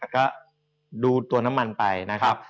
ก็ดูตัวน้ำมันไปนะครับ